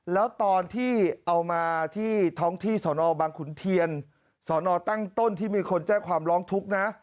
แล้วตอนที่เอามาที่ท้องที่สนบังขุนเทียนสอนอตั้งต้นที่มีคนแจ้งความร้องทุกข์นะ